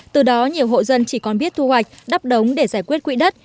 từ đó nhiều hộ dân chỉ còn biết thu hoạch đắp đống để giải quyết quỹ đất